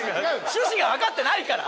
趣旨がわかってないから。